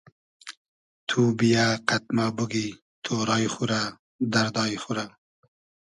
تو بییۂ قئد مۂ بوگی تۉرای خو رۂ دئردای خو رۂ